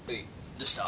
どうした？